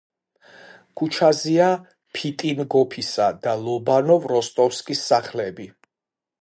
ქუჩაზეა ფიტინგოფისა და ლობანოვ როსტოვსკის სახლები.